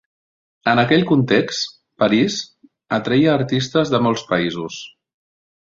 En aquell context, París atreia artistes de molts països.